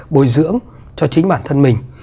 bồi dưỡng cho chính bản thân mình